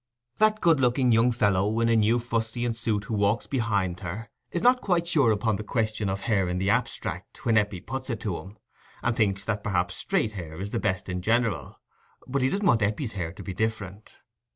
That good looking young fellow, in a new fustian suit, who walks behind her, is not quite sure upon the question of hair in the abstract, when Eppie puts it to him, and thinks that perhaps straight hair is the best in general, but he doesn't want Eppie's hair to be different.